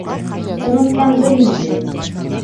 Тынысландым инде.